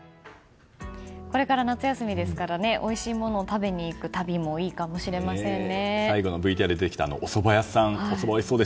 これから夏休みですからおいしいものを食べに行く旅もいいかもしれませんね。